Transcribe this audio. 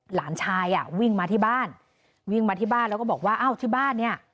หลานชายอ่ะวิ่งมาที่บ้านวิ่งมาที่บ้านแล้วก็บอกว่าอ้าวที่บ้านเนี่ย